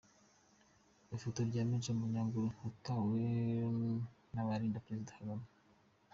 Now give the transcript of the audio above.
Ifoto ya Major Munyaruguru yatwawe n’abarinda Perezida Kagame!